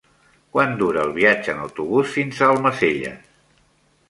Quant dura el viatge en autobús fins a Almacelles?